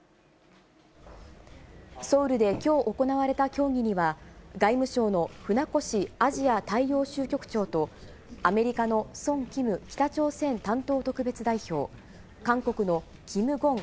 ソウルできょう行われた協議には、外務省の船越アジア大洋州局長と、アメリカのソン・キム北朝鮮担当特別代表、韓国のキム・ゴン